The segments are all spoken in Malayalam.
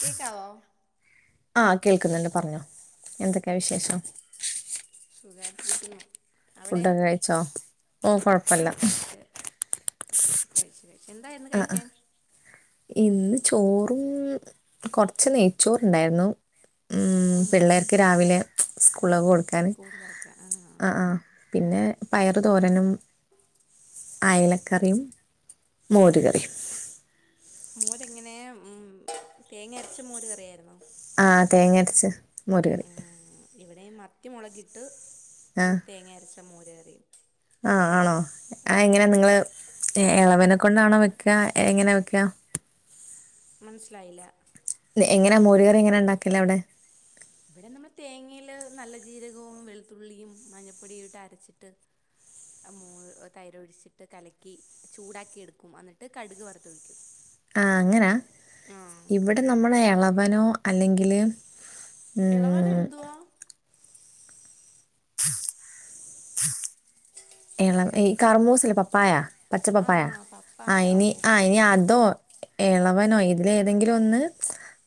കേക്കാവോ ആ കേൾക്കുന്നുണ്ട് പറഞ്ഞോ എന്തൊക്കെയാ വിശേഷം [unintelligible] [inaudible] അവിടെ ഫുഡൊക്കെ കഴിച്ചോ ഓ കൊഴപ്പല്ല കഴിച്ചു ആ ആ ഇന്ന് ചോ അപ്പം കുറച്ച് നെയ്ച്ചോറ ഉണ്ടായിരുന്നു ഉം പിള്ളേർക്ക് രാവിലെ സ്കൂളൊക്കെ കൊടുക്കാന് ആ ആ പിന്നെ പയറ് തോരനും അയലക്കറിയും മോര് കറിയും മോര്ങ്ങനെ ഉം തേങ്ങ അരച്ച മോര് കറിയായിുന്നോ ആ തേങ്ങരച്ച് മുരുകറി ഇവിടെയും മത്തിമുളകിട്ട് തേങ്ങ അരച്ച മോരര ആ ആണോ ആ എങ്ങനെ ഉം, നിങ്ങള് ഇളവന കൊൊണ്ടാണോ വെക്ക എങ്ങനെയ വെക്ക മനസ്സിലായില്ല എങ്ങനെയാ മോരുകറി എങ്ങനെ ഉണ്ടാക്കില്ലേ അവിടെ ഇവിടെ നമ്മൾ തേങ്ങൽ നല്ല ജീരകവും വെളുത്തുള്ളിയും മഞ്ഞപ്പൊടിയും ഇട്ട് അരച്ചിട്ട് മ തൈര ഒഴിച്ചിട്ട് കലക്കി ചൂടാക്കിയ എടുക്കും എന്നിട്ട് കടുക് വറുത്തൊഴിക്കും ആ അങ്ങനാ ആ ഇവിടെ നമ്മള ഇളവനോ അല്ലെങ്കിൽ ഇളവന എന്തുവാ ആ എളം ഈ കറമൂസല്ലെ പപ്പായാ ആ പച്ചപ്പപ്പായ ആ പപ്പായ ഓ ഇനി ആ ഓക്കെ ഇനി ഓക്കെ അതോ എളവനോ ഇതിലേതെങ്കിലും ഒന്ന്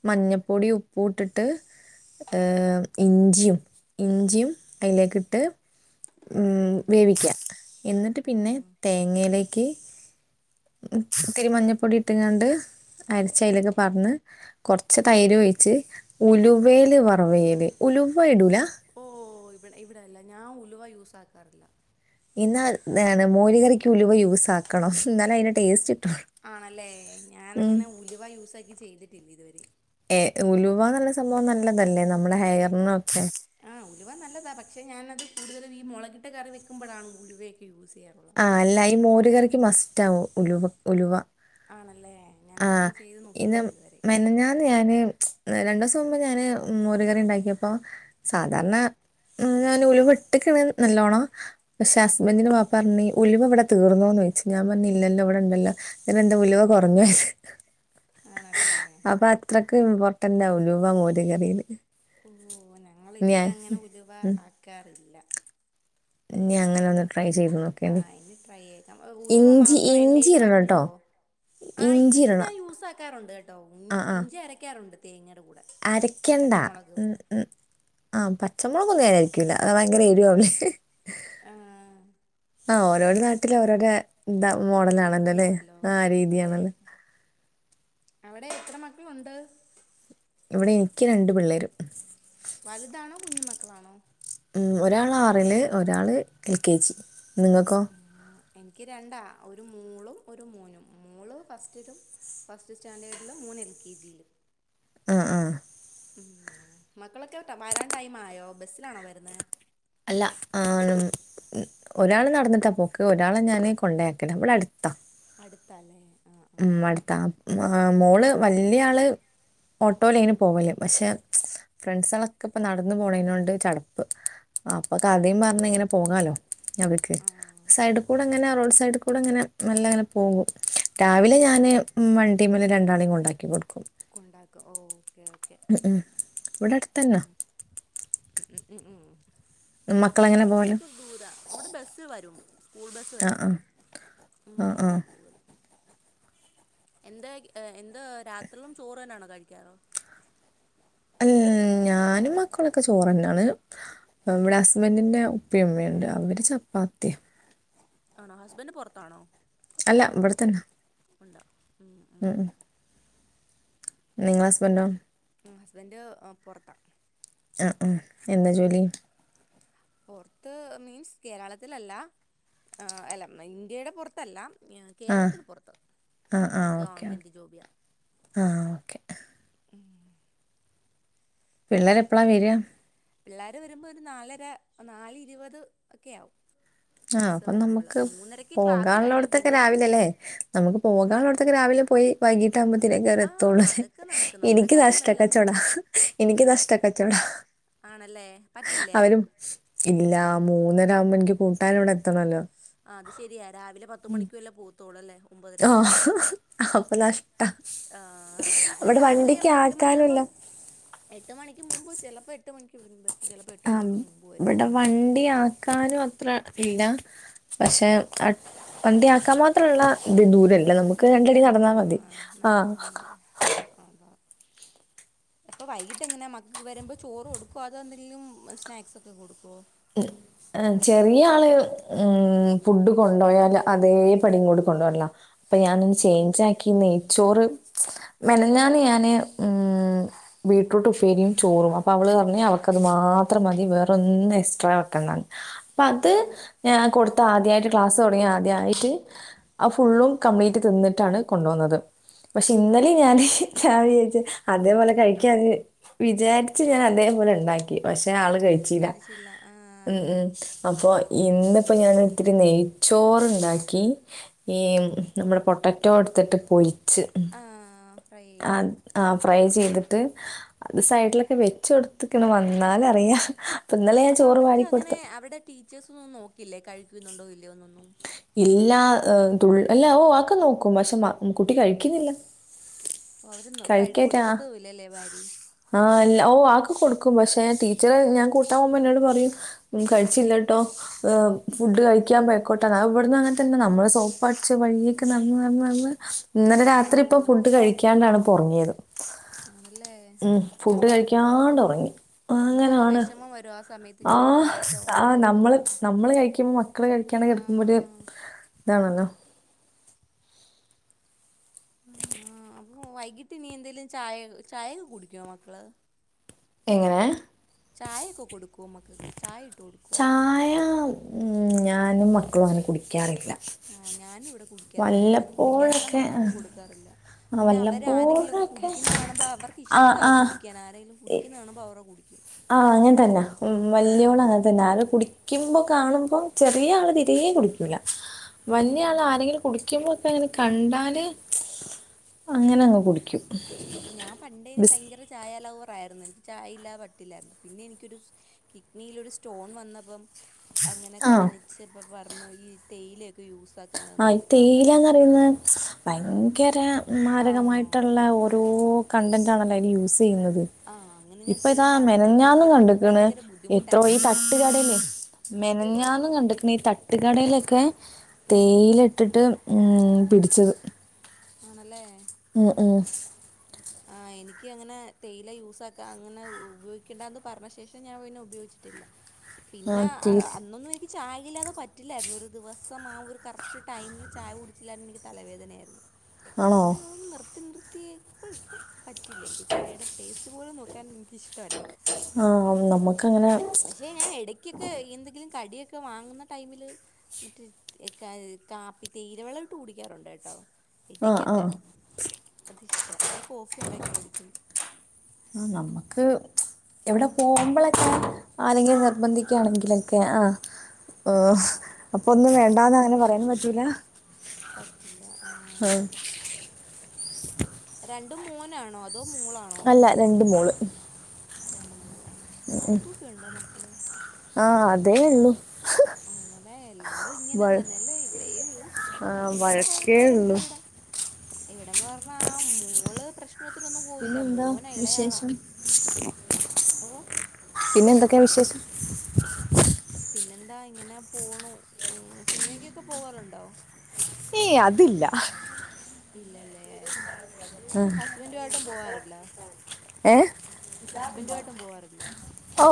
മഞ്ഞപ്പൊടി ഉപ്പ് ഇട്ടിട്ട് ഇഞ്ചിയും ഇഞ്ചിയും അതിലേക്ക ഇട്ട് ഉം വേവിക്ക എന്നിട്ട് പിന്നെ ഉം. തേങ്ങയിലേക്ക് തിരുമഞ്ഞപ്പൊടി ഇട്ടങ്ങാണ്ട് അരിച്ചലൊക്കെ പറന്ന് കുറച്ച് തൈര് ഒഴിച്ച് ഉലുവേൽ വറവേൽ ഉലുവ ഇടൂല ഓ ഇവിടെ ഇവിടെല്ല ഞാൻ ഉലുവ യൂസ ആാക്കാറില്ല പിന്നാ മോല കറിക്ക് ഉലുവ യൂസ ആക്കണം എന്നാലും അതിൻ്റെ ടേസ്റ്റ് കിട്ടുള്ളൂ ആണല്ലേ ഞാൻ ഉം അങ്ങനെ ഉലുവ യൂസ ആക്കി ചെയ്തിട്ടില്ല ഇതുവരെ ഉലവാ നല്ലയ നല്ലതല്ലേ നമ്മളെ ഹെയറിനൊക്കെ ആഹ് ഉലുവ നല്ലതാ പക്ഷെ ഞാനത് കൂടുതലും ഈ മുളകിട്ട കറി വെക്കുമ്പോഴാണ് ഉലുവയൊക്കെ യൂസ് ചെയ്യാറുള്ളത് ആ അല്ല ഈ മോരുകറിക്ക് മസ്റ്റ് ആവും ഉലു ഉലുവ ആണല്ലേ ഞാൻ ആ അങ്ങനെ ചെയ്ത് ഇന്ന് നോക്കിയിട്ടില്ല ഇതുവരെ മെനഞ്ഞാന്ന് ഞാന് രണ്ടു ദിവസം മുമ്പ് ഞാന് മോരുകറി ഉണ്ടാക്കിയപ്പോ സാധാരണ ഞാൻ ഉല വെട്ടിിക്ക നല്ലോണം പക്ഷെ ഹസ്ബൻറിന്റെ മാപ്പ പറഞ്ഞ ഒലിവ ഇവിടെ തീർന്നോന്ന് ചോദിച്ചു ഞാൻ പറഞ്ഞ ഇല്ലല്ലോ ഇവിടെ ഇണ്ടല്ലോ ഇ എന്താ ഉലിവ കുറഞൊയത് ആണല്ലേ അപ്പൊ അത്രക്ക് ഇമ്പോർട്ടന്റാലവാ മോര കറിയില് ഓ ഞങ്ങൾ ഇവിടെ അങ്ങനെ ഉലുവാ ആക്കാറില്ല ഇഞ്ഞി അങ്ങനെ ഒന്ന് ട്രൈ ചെയ്തു നോക്കേണ്ടി ആഹ് ഇനി ട്രൈ ചെയ്തേക്കാം ഉലുവ ഇഞ്ചി മാത്രം ഇഞ്ചി എണ്ണയിൽ ഇടണം കേട്ടോ വറത്തിടുവോ ആ ഇഞ്ചി ഞാൻ യൂസ ആക്കാറുണ്ട് ോ ആ ആ ഇഞ്ചി അരയ്ക്കാറുണ്ട് തേങ്ങന അരക്കണ്ട ഉം ഉം അ പച്ച നമ്മക്കൊന്നും [unintelligible] കൂല്ല അ ഭയങ്കര എരുവാ ഉള്ളേ ആഹ ആ ഓരോര നാട്ടില ഓരോര ഇതാ ഓരോരോ മോഡല ആണല്ലൊല്ലേ രീതിയാണല്ലോ ആ അതെ രീതിയാണല്ലോ അവിടെ എത്ര മക്കളുണ്ട് ഇവിടെ എനിക്ക് രണ്ടു പിള്ളേരും വലുതാണോ കുഞ്ഞു മക്കളാണോ ഉം ഒരാൾ ആറില് ഒരാള് എൽ കെ ജി നിങ്ങൾക്കോ ആഹ് എനിക്ക് രണ്ടാ ഒരു മോളും ഒരു മോനും മോള് ഫസ്റ്റിലും ഫസ്റ്റ് സ്റ്റാൻഡേർഡിലും മോന് എൽ കെ ജിയിലും ആഹ ആഹ ഉം മക്കളൊക്കെ വരാൻ ടൈം ആയോ ബസ്സിലാണോ വരുന്നേ അല്ല ആ ഒരാള് നടന്നിട്ടാ പോക്ക് ഒരാളെ ഞാൻ കൊണ്ടയാക്കലാ ഇവിടെ അടുത്താ അടുത്താലേ ഉം അടുത്താ ആ മോള് വല്യ ആള് ഓട്ടോലെയ്ന് പോവല് പക്ഷെ ഫ്രണ്ട്സളൊക്കെ ഇപ്പ നടന്നു പോണെയ്നോണ്ട് ചടപ്പ് അപ്പൊ ആണോ കഥയും പറഞ്ഞ് ഇങ്ങനെ പോകാലോ ഞങ്ങക്ക് ആഹ് സൈഡിൽ കൂടെ ഇങ്ങനെ റോഡ് സൈഡിൽ കൂടെ ഇങ്ങനെ മെല്ലെ ഇങ്ങനെ പോകും രാവിലെ ഞാന് വണ്ടി മല് രണ്ടാളെയും ഉണ്ടാക്കി കൊടുക്കും കൊണ്ടാക്കും ഓ ഓക്കേ ഓക്കെ തന്ന ഉം ഉം ഉം നമ്മൾ പോകല് കൊറച്ചസം ദൂരാ ഇവടെ ബസ്സ് വരും സ്കൂൾ ബസ്സ് ആ വരും ആ ഉം ആ ആ ബസ്സില പോകലു എന്താ എന്താ രാത്രിയും ചോറ് തന്നെയണോ കഴിക്കാറോ ഉം ഞാ ഞാനും മക്കളൊക്കെ ചോറന്നെ ആണ് ഇവടെ ഹസ്ബൻറിന്റെ ഉപ്പി ഉമ്മി ഉണ്ട് അവര് ചപ്പാത്തി ആണോ ഹസ്ബന്റ് പുറത്താണോ അല്ല ഇവട്‌ത്തന്നെ ഉണ്ടാവും ഉ ഉ നിങ്ങളെ ഹസ്ബന്റോ ഹസ്ബന്റ് പൊറത്താ അ അ എന്താ ജോലി പുറത്ത് മീൻസ് കേരളത്തിലല്ല അല്ല ഇന്ത്യയുടെ പുറത്തല്ല ആ കേരളത്തിന് പുറത്ത് ആ ആ ഓക്കെ ഗവൺമെന്റ് ഓക്കെ ജോബിയാ ആ ഓക്കെ ഉ പിള്ളരെപ്പളാ വരിക പിള്ളേര് വരുമ്പോ ഒരു നാലര നാലെ ഇരുപത് ഒക്കെ ആവും ആ ബസ്സ് അപ്പൊ വരുമ്പള് നമുക്ക് മൂന്നരക്ക് ക്ലാസ് കഴിയും പോകാനുള്ളോട്ത്തൊക്കെ പിന്നെ രാവിലെ ലേ നമുക്ക് പോകാനുള്ളോട്ത്തൊക്കെ രാവിലെ പോയി വൈകി ട്ടാവുമ്പോത്തിനേക്കാര ആ എത്തൊള്ളൂ. അതൊക്കെ നടക്കും നമ്മുടെ എനിക്ക് നഷ്ട കാര്യങ്ങളെല്ലാം കച്ചോടാ നടക്കും എനിക്ക് നഷ്ട കച്ചോടാ. ആണെ അവരും ഇല്ല. മൂന്നര ആവകുമ്പോ എനിക്ക് കൂട്ടാനോവിടെ ആ അത് ശരിയ രാവിലെ പത്തുമണിക്ക് വല്ലേ പോത്തോളൂ അല്ലേ. ആ ഒമ്പതരൊക്കെ ആവുമ്പോ അപ്പം നഷ്ടാ ആഹ ഇത് അവിടെ രാവിലെ വണ്ടിക്ക് മ്മൾ എട്ട്മണിയാകുമ്പം. ആക്കാനുമില്ല എട്ട് മണിക്ക് മുമ്പ് ചിലപ്പോ എട്ട് മണിക്ക് വരും. ബസ്സ് ചിലപ്പോ എട്ട് ആ മണിക്ക് മുമ്പ് വരും ഇവടെ വണ്ടി ആക്കാനും അത്ര ഇല്ല. പക്ഷെ വണ്ടി ആക്കാൻ മാത്രള്ള ഇത് ദൂര ഇല്ല. ആഹ് നടന്നാ മതി. അതാ എപ്പൊ വൈകിട്ട് എങ്ങനാ മക്കക്ക് വരുമ്പോ ചോറ് കൊടുക്കുവോ അതോ എന്തെങ്കിലും സ്നാക്സ് ഒക്കെ കൊടുക്കുവോ? ഉം ഏഹ് ചെറിയ ആള് ഉം ഫുഡ് കൊണ്ടോയാല് അതേ പടി ഇങ്ങോട് കൊണ്ടുവരലാ. അപ്പൊ ഞാനൊന്ന് ചേയ്ഞ്ച് ആക്കി നെയ്ച്ചോറ് ഉ മിനിഞ്ഞാന്ന് ഞാന് ഉം ബീട്ട്രൂട്ട് ഉപേരിയും ചോറും. അപ്പൊ അവള് അന്നെ അവൾക്കത് മാ മാത്രം മതി വേറൊന്നും എക്സ്ട്രാ വെക്കണ്ടാന്ന് അപ്പ ഓ അത് ഞാൻ കൊട് ത്താദ്യായിട്ട് ക്ലാസ് തുടങ്ങി ആദ്യായിട്ട് അത് ഫുള്ളും കംപ്ലീറ്റ് തിന്നിട്ടാണ് കൊണ്ട് വന്നത്. പക്ഷെ ഓക്കെ ഇന്നെലിം ഞാന് ച്ചായി വച്ച് അതേപോലെ കഴിക്കാന്ന് വിചാരിച്ചു ഞാൻ അതേപോലെ ഉണ്ടാക്കി പഷ് ക്ഷെ ആള് കഴിച്ചീല്ല. കഴിച്ചില്ല ആ ഉം അപ്പോ ഇന്നിപ്പോ ഞാൻ ഇത്തിരി നെയ്ച്ചോറ്ണ്ടാക്കി ഈ നമ്മളെ പൊട്ടറ്റോ ഇട്ത്തിട്ട് പൊരിച്ച് ഉം ആ ഫ്രൈ അ ചെയ്ത് ആ ഫ്രൈ ചെയ്ത്ട്ട് അ സൈഡിലൊക്കെ വെച്ച് കൊടുത്ക്ക്ണ് വന്നാൽ അറിയാ. അപ്പന്നലെ അപ്പൊ അവർക്ക് അങ്ങനെ അവിടെ ടീച്ചേഴ്സ് ഒന്നും നോക്കില്ലേ കഴിക്കുന്നുണ്ടോ ഇല്ലയോന്നൊന്നും. ഇല്ലാ ഏഹ് തുൾ അല്ല ഓഫ് അഒക്കെ നോക്കും പക്ഷെ മ കുട്ടി കഴിക്കുന്നില്ല. ഓ അവര് നോ കഴി കഴിക്കാറ്റാ കൊടുക്കത്തൂല്ല ലേ വാരി. ഓഹ് അഒക്ക കൊടുക്കും പക്ഷെ ഞാ ടീച്ചറ് ഞാൻ കൂട്ടാൻ പോകുമ്പോ ഇന്നോട് പറയും ഉം കഴിച്ചില്ലട്ടോ ഫുഡ് കഴിക്കാൻ ബേക്കോട്ട് ആണ് അത് വിട്ന്നും അങ്ങൻത്തന്നെ. നമ്മൾ സോപ്പ് അട്ച്ച് വഴിയൊക്കെ നടന്ന് നടന്ന് നടന്ന് ഓ ഇന്നലെ രാത്രി ഇപ്പ ഫുഡ് കഴിക്കാണ്ടാണ് പ്പൊറങ്ങിയത്. ആണല്ലേ ഉം ഫുഡ് കഴിക്കാണ്ട് ഒറങ്ങി. നമുക്കങ് അങ്ങനാണ്. വെഷമം വരും ആ സമയ ആഹ് ആ നമ്മള് നമ്മള് കഴിക്കുമ്പം മക്കള് കഴിക്കാണ്ടെ ആ കെടക്കുമ്പൊര് ഇതാണല്ലോ. ആഹ് അപ്പൊ വൈകിട്ട് ഇനി എന്തേലും ചായ ചായയൊക്കെ കുടിക്ക്യോ മക്കള്? എങ്ങനെ? ചായയൊക്കെ കൊടുക്കുവോ മക്കൾക്ക് ചായ ഇട്ട് കൊടുക്കുവോ ചായ ഉം ഞാനും മ ക്കളും അങ്ങനെ കുടിക്കാറില്ല. ആ ഞാനും ഇവിടെ കുടിക്കാറില്ല ഞാനും കുടിക്കാറില്ല വല്ലപ്പോഴൊക്കെ മക്കൾക്കും കൊടുക്കാറില്ല. ആ പിന്നെ അവർ ആരെങ്കിലൊക്കെ വല്ലപ്പോഴൊക്കെ കുടിക്കുന്ന കാണുമ്പ അവർക്ക് ആ ഇഷ്ടവാ ആ കുടിക്കാൻ ആരെങ്കിലും കുടിക്കുന്ന കാണുമ്പോൾ അവരു കുടിക്കും. ആഹ് അങ്ങൻ തന്നാ. ഉം ഉം വലിയോള് ആഹ് അങ്ങൻ തന്നാ ആരോ കുടിക്കുമ്പോ കാണുമ്പോ ചെറിയ ആള് തീരെ കുടിക്കൂല. വലിയ ആൾ ആഹ് ആരെങ്കിലും കുടിക്കുമ്പോക്കെ അങ്ങനെ കണ്ടാല് അങ്ങനങ്ങ് കുടിക്കും. ഞാൻ പണ്ടേ യിനി ബിസ് ഭയങ്കര ചായാലവ റായിരുന്നു. എനിക്ക് ചായ ഇല്ലാത പറ്റില്ലായിരുന്നു പിന്നെ എനിക്കൊരു കിഡ്നിയിലൊരു സ്റ്റോൺ വന്നപ്പം. അങ്ങനെ ആ കാണിച്ച് അപ്പ പറഞ്ഞു ഈ തേയിലയൊ ആ തേയിലാന്ന് പറയുന്ന ഭയങ്കര ആഹ് മാരകമായിട്ടുള്ള ഓരോ കണ്ടൻറ് ആണല്ലോ അയിൽ യൂസ് ചെയ്യുന്നത്. ആഹ് അങ്ങനെ ഞാൻ ഇപ്പൊ ഇതാ തേയില അന്ന് യൂസ് മെനഞ്ഞാന്നും ചെയ്ത അന്ന് കണ്ടിക്കണ് ഭയങ്കര ബുദ്ധിമുട്ടായിരുന്നു എനിക്ക്. മെനഞ്ഞന്ന്കണ്ടിട്ട പിന്നെ ഈ തട്ടുകടയിലൊക്കെ ആ തേയില ഇട്ടിട്ട് ഉ പിടിച്ചത്. ആണല്ലേ. ഉം ഉം ആഹ് എനിക്ക് അങ്ങനെ തേയില യൂസാക്കാ അങ്ങനെ ഉപയോഗിക്കണ്ടാന്ന് പറഞ്ഞ ശേഷം ഞാൻ പിന്നെ ഉപയോഗിച്ചി ട്ടില്ലാ. ആ, പിന്നെ തീ- അന്നൊന്നും എനിക്ക് ചായ ഇല്ലാതെ പറ്റില്ലായിരുന്നു. ഒരു ദിവസം ആ ഒരു കറക്റ്റ് ടൈമിൽ ചായ കുടിച്ചില്ലായിന്നെങ്കി എനിക്ക് തലവേദനയായിരുന്നു. ആണോ പിന്നെ അവ നിർത്തി നിർത്തിയ ഇപ്പ പറ്റില്ല എനിക്ക് ചായയുടെ ടേസ്റ്റ് പോലും നോക്കാൻ ഇഷ്ടമല്ല ആ നമുക്കങ്ങനെ പക്ഷെ ഞാൻ ഇടക്കൊക്കെ എന്തെങ്കിലും കടി- ക്കെ വാങ്ങുന്ന ടൈമില് മറ്റേ കാപ്പി തേയിലവെള്ളം ഇട്ട് കുടിക്കാറുണ്ട് കേട്ടോ ആ ആ ഇടക്കൊക്കെ അത്ഷ അല്ല കോഫി ഉണ്ടാക്കി കുടിക്കും ആ നമുക്ക് എവിടെ പോകുമ്പോഴൊക്കെ ആരങ്കിലും നിർബന്ധിക്കയാണെങ്കിലൊക്കെ ആ ഓ അപ്പൊ ഒന്നും വേണ്ടാന്ന് അങ്ങനെ പറയാൻ പറ്റൂല പറ്റില്ല ആ. ആഹ രണ്ടു മോനാണോ അ- അല്ല രണ്ട് മോള് രണ്ട മോളാണോ വഴക്കൊക്കെ ഉണ്ടോ മക്കള്? ആഹ് അതേ ഉള്ളൂ. ആണല്ലേ എല്ലാടും ഇങ്ങനെ വൾ- തന്നെല്ലേ ഇവിടെയോ ഇവിടെ ആ ഭയങ്കര വഴക്കേ ഉള്ളൂ വഴക്കാരണ്ടും കൂടേ ഇവിടെന്ന് പറഞ്ഞ ആ മോള് പ്രശ്ന പിന്നെന്താ വിശേഷം. ഓ പിന്നെ എന്തൊക്കെയാ വിശേഷം [inaudible] പിന്നെന്താ ഇങ്ങനെ പോണു ഉ സിനിമക്കൊക്കെ പോവാറുണ്ടോ? ഏയ് അതില്ല. ഇല്ലല്ലേ ആ. ഹുസ്ബൻഡ് ആയിട്ടും പോവാറില്ല ഏ ഹസ്ബൻഡുമായിട്ടും പോവാറില്ല ഓ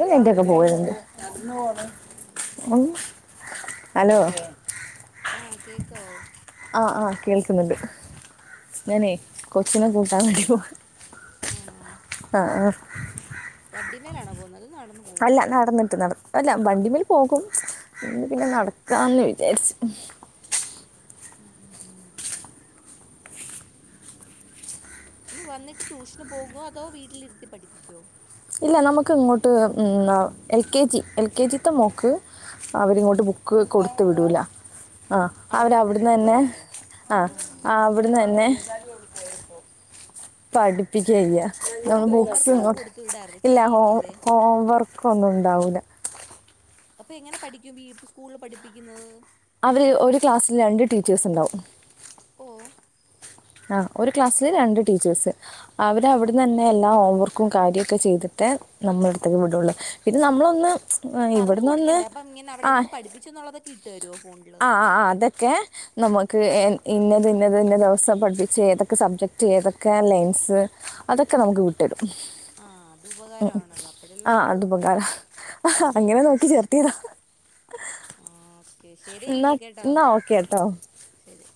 ഇ എന്റെക്കെ പോയാലാണ്ട് ഉ ഹലോ ആഹ് കേൾക്കാവോ ആ ആ കേൾക്കുന്നുണ്ട് ഞാനേ കൊച്ചിനെ കൂട്ടാൻ വേണ്ടി പോക ആ വണ്ടി മേലാണോ പോകുന്നത് നടന്നു പോവോ അല്ല നടന്നിട്ട് നട അല്ല വണ്ടിമേ ൽ പോകും പിന്നെ നടക്കാന്ന് വിചാരിച്ചു. ഉം ഉം ഉം ഉ ഇനി വന്നിട്ട് ട്യൂഷന് പോകുവോ അതോ വീട്ടിലിരുത്തി പഠിപ്പിക്കോ? ഇല്ല നമുക്ക് ഇങ്ങോട്ട് L K G L K ജിത്തെ മോക്ക് അവരിങ്ങോട്ട് ബുക്ക് കൊടുത്ത വിടൂ ല ആ അവിടെ അവരവിടന്ന് വെക്കുവ തന്നെ അല്ലേ ആഹ് ആ അവിടന്ന് തന്നെ പാഠിപ്പിക്കയാചെയ്യാ അപ്പൊ നമ്മൾ ഹോം വർക്ക് ബുക്സ് ഒന്നും കൊടുത്തു വിടാറ് ഇല്ലോ ചെയ്യിക്കില്ലേ ഹോം വർക്ക ഒന്നും ഉണ്ടാവില്ല. അപ്പൊ എങ്ങനെ പഠിക്കും സ്കൂളില് പഠിപ്പിക്കുന്നത്? അവര് ഒരു ക്ലാസ്സിൽ രണ്ട് ടീച്ചേഴസ് ഉണ്ടാവും ഓ ആഹ ഒരു ക്ലാസ്സില് രണ്ട് ടീച്ചേഴ്സ് അവര് അവിടുന്ന് തന്നെ എല്ലാ ഹോംവർക്കും കാര്യവും ഒക്കെ ചെയ്തിട്ട് നമ്മളുടെ അടുത്തേക്ക് വിടുള്ളൂ പിന്നെ നമ്മളൊന്ന് പറഞ്ഞു ഇവിടുന്ന് ഒന്ന് കൊടുക്കണ്ടേ അപ്പൊ ഇങ്ങനെ അവിടെ എന്ത് പഠിപ്പിച്ചു എന്നുള്ളതൊക്കെ ഇട്ടുരുോ? ആഹ് അതക്കെ നമക്ക് ഇന്നത് ഇന്നത് ഇന്ന ദിവസം പഠിച്ച് ഏതൊക്കെ സബ്ജക്ട് ഏതൊക്കെ ലൈൻസ് അതൊക്കെ ഒക്കെ നമുക്ക് വിട്ടരും ആഹ് അത് ഉ ഉപകാരമാണല്ലോ അപ്പോഴെല്ലാം ആ നമുക്ക് അത് പകാല ആ അങ്ങനെ ഉം നോക്കി ശ് ചേർത്തിതാ ഓക്കെ എന്ന ശരിയെങ്കിൽ കേട്ടോ എന്നാ ഓക്കെ ട്ടോ ശരി